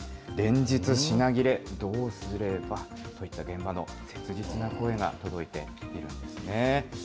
連日品切れ、どうすればといった、現場の切実な声が届いているんですね。